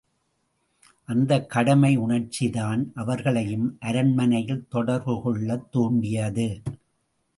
அந்தக் கடமை யுணர்ச்சிதான் அவர்களையும் அரண்மனையில் தொடர்பு கொள்ளத் தூண்டியது.